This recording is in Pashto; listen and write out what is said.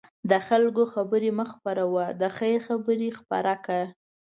د خلکو خبرې مه خپره وه، د خیر خبرې خپره کړه.